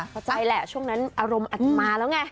เข้าใจแหละช่วงนั้นอารมณ์อาจจะมาแล้วไง